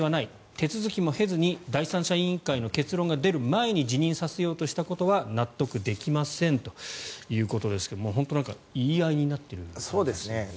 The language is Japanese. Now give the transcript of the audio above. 手続きも経ずに第三者委員会の結論が出る前に辞任させようとしたことは納得できませんということですが本当に、言い合いになっている感じですね。